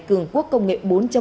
cường quốc công nghệ bốn